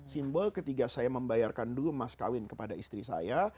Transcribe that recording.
simbol ketika saya membayarkan dulu mas kawin kepada istri saya